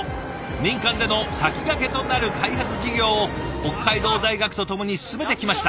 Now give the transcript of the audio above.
民間での先駆けとなる開発事業を北海道大学と共に進めてきました。